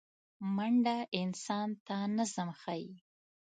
منډه انسان ته نظم ښيي